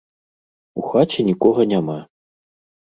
У хаце нікога няма.